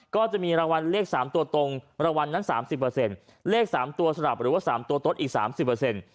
ก็จะมีรางวัลเลขสามตัวตรงรางวัลนั้นสามสิบเปอร์เซ็นต์เลขสามตัวสลับหรือว่าสามตัวต้นอีกสามสิบเปอร์เซ็นต์